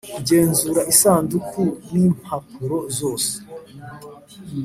Kugenzura isanduku n impapuro zose